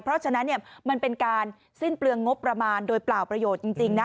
เพราะฉะนั้นมันเป็นการสิ้นเปลืองงบประมาณโดยเปล่าประโยชน์จริงนะ